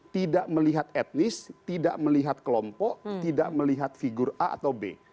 tidak melihat etnis tidak melihat kelompok tidak melihat figur a atau b